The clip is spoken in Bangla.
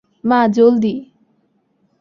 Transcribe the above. মা, জলদি।